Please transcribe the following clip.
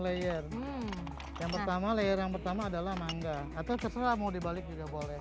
layer yang pertama layer yang pertama adalah mangga atau terserah mau dibalik juga boleh